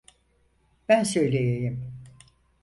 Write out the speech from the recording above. Ben söyleyeyim.